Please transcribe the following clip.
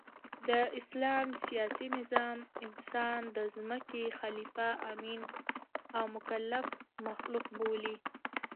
د اسلام سیاسي نظام انسان د مځکي خلیفه، امین او مکلف مخلوق بولي.